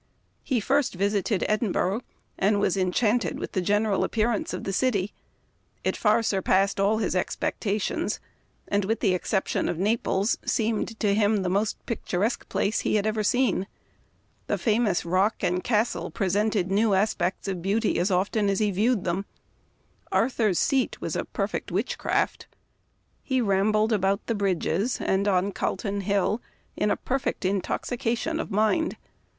He first visited Edinburgh, and was en chanted with the general appearance of the city. It far surpassed all his expectations, and, with the exception of Naples, seemed to him the most picturesque place he had ever seen. The famous Rock and Castle presented new aspects of beauty as often as he viewed them. u Ar I o 82 Memoir of Washington Irving. thur's Seat" was a perfect witchcraft. He rambled about the bridges and on Calton Hill in " a perfect intoxication of mind."